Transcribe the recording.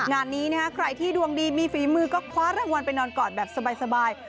งานนี้ใครที่ดวงดีมีฝีมือก็คว้ารางวัลไปนอนกอดแบบสบาย